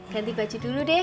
ganti baju dulu deh